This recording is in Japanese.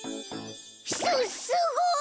すすごい！